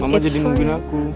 mama jadi nungguin aku